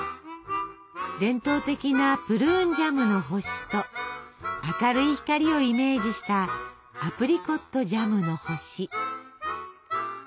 伝統的なプルーンジャムの星と明るい光をイメージしたアプリコットジャムの星。